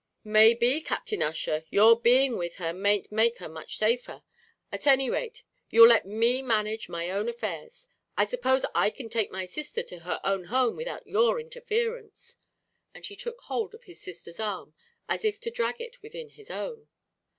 "May be, Captain Ussher, you're being with her mayn't make her much safer; at any rate you'll let me manage my own affairs. I suppose I can take my sisther to her own home without your interference," and he took hold of his sister's arm, as if to drag it within his own.